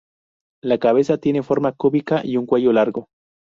La cabeza tiene forma cúbica y un cuello largo.